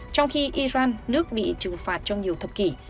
trong khi iran nước bị trừng phạt trong nhiều thập kỷ